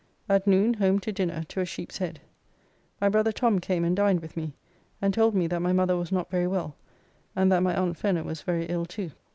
At noon home to dinner to a sheep's head. My brother Tom came and dined with me, and told me that my mother was not very well, and that my Aunt Fenner was very ill too.